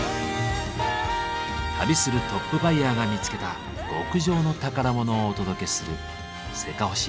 旅するトップバイヤーが見つけた極上の宝物をお届けする「せかほし５ｍｉｎ．」。